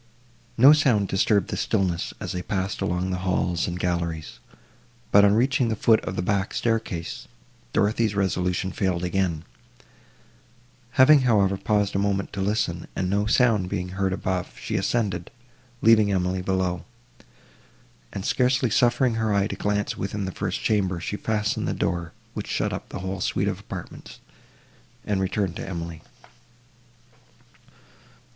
No sound disturbed the stillness, as they passed along the halls and galleries; but, on reaching the foot of the back staircase, Dorothée's resolution failed again; having, however, paused a moment to listen, and no sound being heard above, she ascended, leaving Emily below, and, scarcely suffering her eye to glance within the first chamber, she fastened the door, which shut up the whole suite of apartments, and returned to Emily.